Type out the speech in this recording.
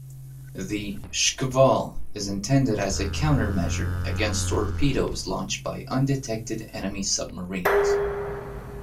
The "Shkval" is intended as a countermeasure against torpedoes launched by undetected enemy submarines.